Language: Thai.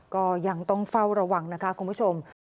ก็ยังต้องเฝ้าระวังนะคะคุณผู้ชม